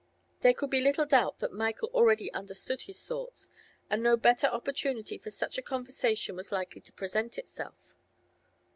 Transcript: There could be little doubt that Michael already understood his thoughts, and no better opportunity for such a conversation was likely to present itself.